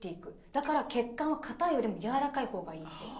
だから血管はかたいよりもやわらかい方がいい。